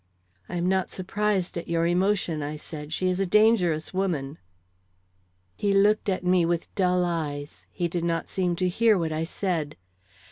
"I am not surprised at your emotion," I said; "she is a dangerous woman." He looked at me with dull eyes; he did not seem to hear what I said.